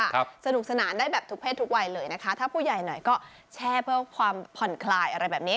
สนุกสนานได้แบบทุกเพศทุกวัยเลยนะคะถ้าผู้ใหญ่หน่อยก็แช่เพื่อความผ่อนคลายอะไรแบบนี้